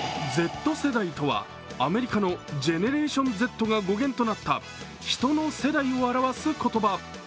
Ｚ世代とはアメリカのジェネレーションＺが語源となった人の世代を表す言葉。